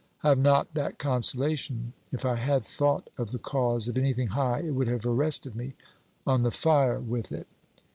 I have not that consolation. If I had thought of the cause of anything high, it would have arrested me. On the fire with it!'